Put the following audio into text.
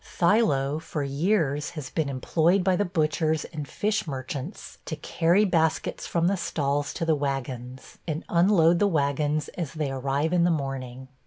Thilo for years has been employed by the butchers and fish merchants to carry baskets from the stalls to the wagons, and unload the wagons as they arrive in the morning.